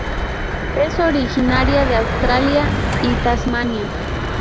Es originaria de Australia y Tasmania.